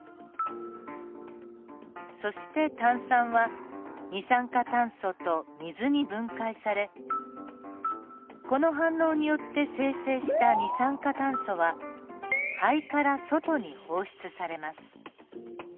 そして炭酸は二酸化炭素と水に分解されこの反応によって生成した二酸化炭素は肺から外に放出されます。